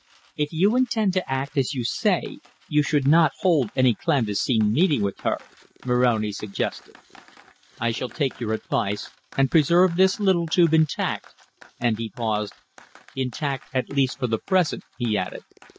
"If you intend to act as you say you should not hold any clandestine meeting with her," Moroni suggested. "I shall take your advice and preserve this little tube intact," and he paused, "intact at least for the present," he added.